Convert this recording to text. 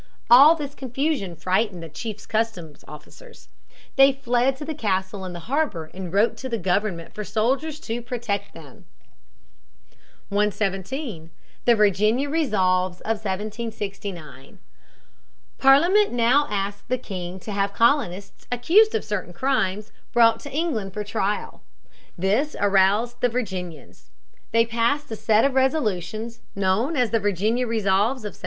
All this confusion frightened the chief customs officers. They fled to the castle in the harbor and wrote to the government for soldiers to protect them. [Illustration: ONE OF JOHN HANCOCK'S BILL HEADS.] [Sidenote: Virginia Resolves, 1769.] 117. The Virginia Resolves of 1769. Parliament now asked the king to have colonists, accused of certain crimes, brought to England for trial. This aroused the Virginians. They passed a set of resolutions, known as the Virginia Resolves of 1769.